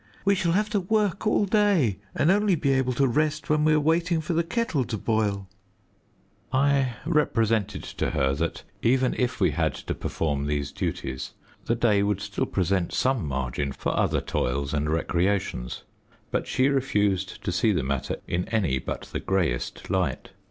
We shall have to work all day, and only be able to rest when we are waiting for the kettle to boil!" I represented to her that even if we had to perform these duties, the day would still present some margin for other toils and recreations. But she refused to see the matter in any but the greyest light.